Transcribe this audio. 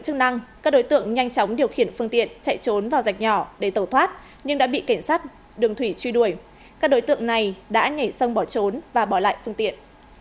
chức năng các đối tượng nhanh chóng điều khiển phương tiện chạy trốn vào gạch nhỏ để tẩu thoát nhưng đã bị cảnh sát đường thủy truy đuổi các đối tượng này đã nhảy sông bỏ trốn và bỏ lại phương tiện